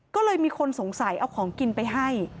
ก็เลยมีคนสงสัยเอาของกินไปให้